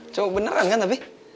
cowok beneran kan tapi